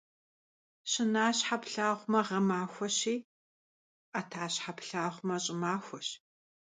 Şınaşhe plhağume ğemaxueşi, 'etaşhe plhağume ş'ımaxueş.